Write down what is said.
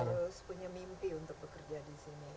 harus punya mimpi untuk bekerja di sini